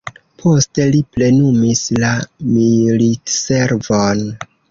Poste li plenumis la militservon.